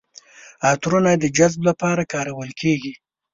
عطرونه د جذب لپاره کارول کیږي.